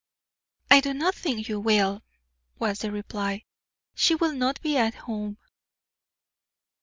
"I do not think you will," was the reply; "she will not be at home."